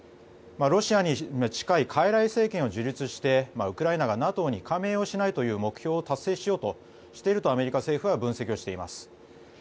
ロシアに近い傀儡政権を樹立してウクライナがＮＡＴＯに加盟をしないという目標を達成しようとしているとアメリカ政府は分析しています。